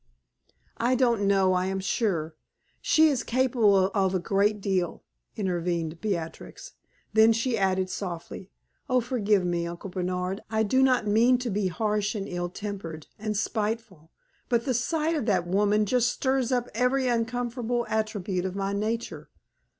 "I don't know, I am sure. She is capable of a great deal," intervened Beatrix. Then she added softly: "Oh, forgive me, Uncle Bernard. I do not mean to be harsh, and ill tempered, and spiteful; but the sight of that woman just stirs up every uncomfortable attribute of my nature.